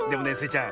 ちゃん